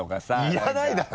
いらないだろ！